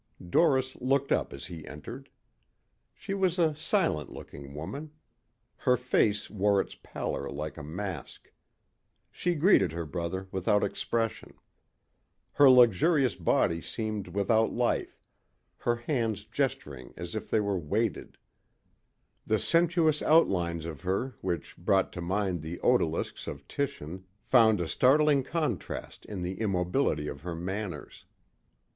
... Doris looked up as he entered. She was a silent looking woman. Her face wore its pallor like a mask. She greeted her brother without expression. Her luxurious body seemed without life, her hands gesturing as if they were weighted. The sensuous outlines of her which brought to mind the odalisques of Titian found a startling contrast in the immobility of her manners.